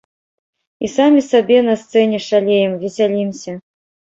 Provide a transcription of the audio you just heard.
І самі сабе на сцэне шалеем, весялімся.